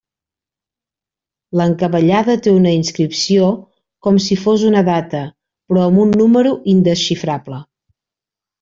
L'encavallada té una inscripció com si fos una data, però amb un número indesxifrable.